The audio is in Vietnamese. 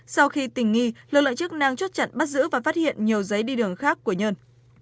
sau khi tình nghi lực lượng chức năng chốt chặn bắt giữ và phát hiện nhiều giấy đi đường khác của nhân